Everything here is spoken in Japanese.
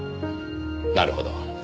なるほど。